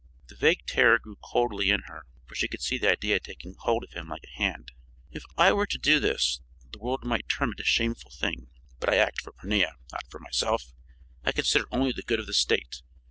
The vague terror grew coldly in her, for she could see the idea taking hold of him like a hand. "If I were to do this, the world might term it a shameful thing, but I act for Pornia not for myself. I consider only the good of the State.